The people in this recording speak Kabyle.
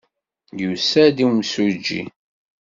Yusa-d umsujji?